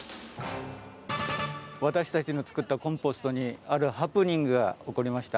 私たちの作ったコンポストにあるハプニングが起こりました。